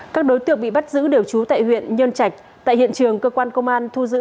các đối tượng bị bắt giữ đều trú tại huyện nhơn trạch tại hiện trường cơ quan công an thu giữ